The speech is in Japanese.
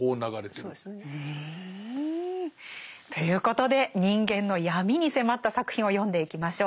そうですね。ということで人間の闇に迫った作品を読んでいきましょう。